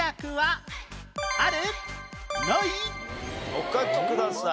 お書きください。